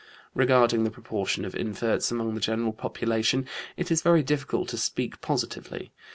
Regarding the proportion of inverts among the general population, it is very difficult to speak positively.